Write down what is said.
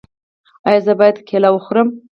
ایا زه باید کیله وخورم؟